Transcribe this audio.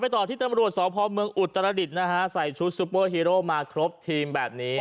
ต่อที่ตำรวจสพเมืองอุตรดิษฐ์นะฮะใส่ชุดซุปเปอร์ฮีโร่มาครบทีมแบบนี้